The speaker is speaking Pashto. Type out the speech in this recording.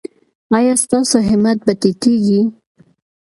ایا ستاسو همت به ټیټیږي؟